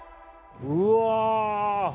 うわ。